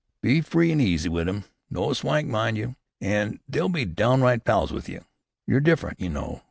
Be free an' easy with 'em, no swank, mind you! an' they'll be downright pals with you. You're different, you know.